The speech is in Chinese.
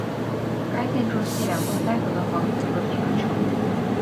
该建筑系两栋单独的房子合并而成。